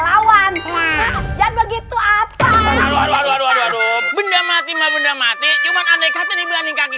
jauhan dan begitu apa aduh aduh aduh aduh benda mati ma benda mati cuma aneh katanya berani kaki